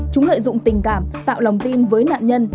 chúng lợi dụng tình cảm tạo lòng tin với nạn nhân